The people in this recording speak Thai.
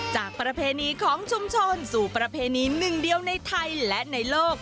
ประเพณีของชุมชนสู่ประเพณีหนึ่งเดียวในไทยและในโลก